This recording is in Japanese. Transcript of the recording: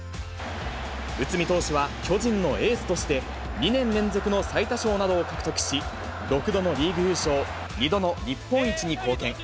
内海投手は、巨人のエースとして、２年連続の最多勝などを獲得し、６度のリーグ優勝、２度の日本一に貢献。